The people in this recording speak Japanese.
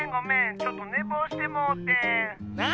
ちょっとねぼうしてもうてん。